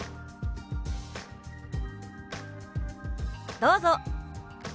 どうぞ！